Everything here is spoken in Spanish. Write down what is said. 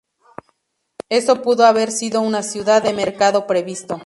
Eso pudo haber sido una ciudad de mercado previsto.